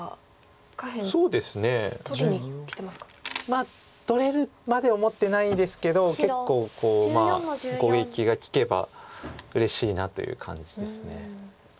まあ取れるまで思ってないですけど結構こう攻撃が利けばうれしいなという感じです。